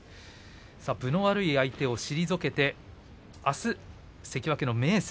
分の悪い相手を退けてあすは関脇の明生。